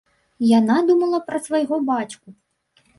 Яна думала пра свайго бацьку.